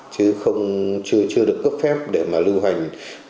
chứ chưa được cấp phép để mà lưu hành